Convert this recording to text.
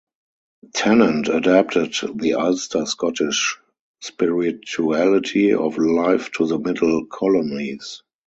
Tennent adapted the Ulster Scottish spirituality of life to the middle colonies.